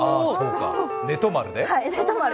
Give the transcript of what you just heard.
寝泊まるで？